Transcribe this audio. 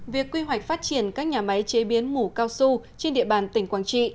việc quy hoạch phát triển các nhà máy chế biến mủ cao su trên địa bàn tỉnh quảng trị